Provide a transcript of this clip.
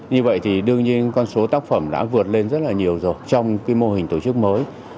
như vậy thì đương nhiên con số tác phẩm đã vượt lên rất là nhiều rồi trong cái mô hình tổ chức mới